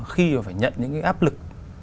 khi mà phải nhận những cái áp lực